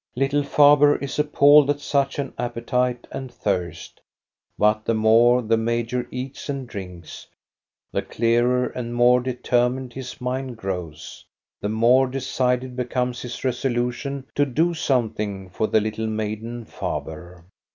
Little Faber is appalled at such an appetite and thirst; but the more the major eats and drinks, the clearer and more de termined his mind grows. The more decided becomes his resolution to do something for the little maiden Faber.